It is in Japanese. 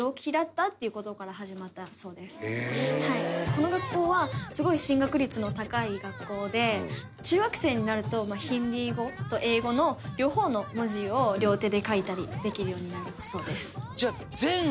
この学校はすごい進学率の高い学校で中学生になるとヒンディー語と英語の両方の文字を両手で書いたりできるようになるそうです。